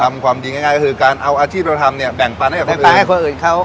ความดีง่ายก็คือการเอาอาชีพเราทำเนี่ยแบ่งปันให้กับคนอื่นให้คนอื่นเขา